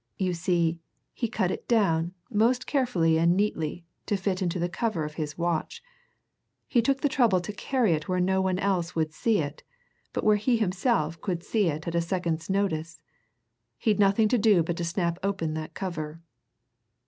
You see, he cut it down, most carefully and neatly, to fit into the cover of his watch he took the trouble to carry it where no one else would see it, but where he could see it himself at a second's notice he'd nothing to do but to snap open that cover.